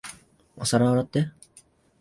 お皿洗って。